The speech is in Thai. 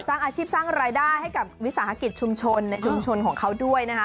สร้างอาชีพสร้างรายได้ให้กับวิสาหกิจชุมชนในชุมชนของเขาด้วยนะคะ